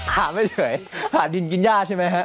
ถ้านฟ้าไม่เฉยถ้านดินกินย่าใช่ไหมฮะ